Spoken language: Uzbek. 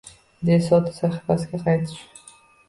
De Soto sahifasiga qaytish